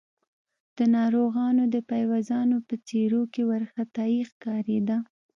د ناروغانو د پيوازانو په څېرو کې وارخطايي ښکارېده.